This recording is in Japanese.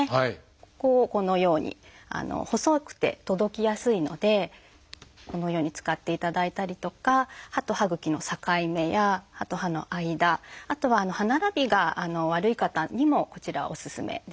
ここをこのように細くて届きやすいのでこのように使っていただいたりとか歯と歯ぐきの境目や歯と歯の間。あとは歯並びが悪い方にもこちらおすすめです。